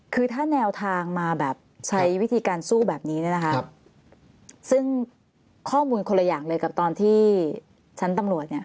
คือถ้าแนวทางมาแบบใช้วิธีการสู้แบบนี้เนี่ยนะคะซึ่งข้อมูลคนละอย่างเลยกับตอนที่ชั้นตำรวจเนี่ย